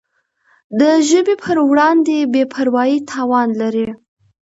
د ژبي پر وړاندي بي پروایي تاوان لري.